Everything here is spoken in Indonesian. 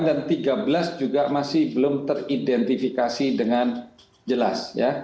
dan tiga belas juga masih belum teridentifikasi dengan jelas